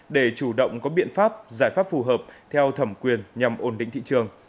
để chủ động có biện pháp giải pháp phù hợp theo thẩm quyền nhằm ổn định thị trường